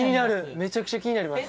めちゃくちゃ気になります。